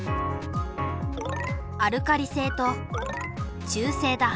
アルカリ性と中性だ。